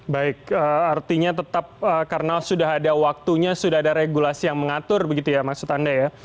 baik artinya tetap karena sudah ada waktunya sudah ada regulasi yang mengatur begitu ya maksud anda ya